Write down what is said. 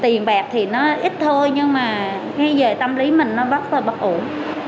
tiền bạc thì nó ít thôi nhưng mà ngay về tâm lý mình nó bắt rồi bắt ổn